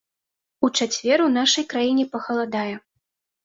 А ў чацвер у нашай краіне пахаладае.